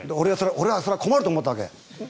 俺はそれは困ると思ったわけ。